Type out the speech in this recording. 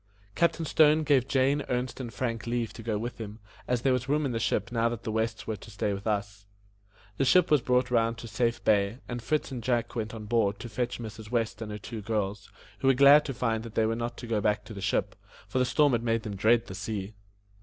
Captain Stone gave Jane, Ernest, and Frank leave to go with him, as there was room in the ship now that the Wests were to stay with us. The ship was brought round to Safe Bay, and Fritz and Jack went on board to fetch Mrs. West and her two girls, who were glad to find that they were not to go back to the ship, for the storm had made them dread the sea.